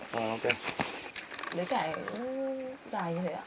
lấy cải dài như thế ạ